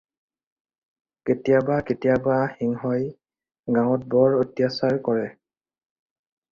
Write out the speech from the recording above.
কেতিয়াবা কেতিয়াবা সিংহই গাওঁত বৰ অত্যাচাৰ কৰে।